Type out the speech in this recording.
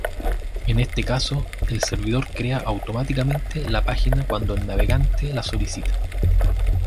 En este caso, el servidor crea automáticamente la página cuando el navegante la solicita.